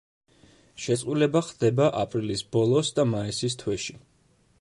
შეწყვილება ხდება აპრილის ბოლოს და მაისის თვეში.